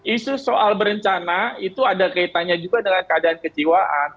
isu soal berencana itu ada kaitannya juga dengan keadaan kejiwaan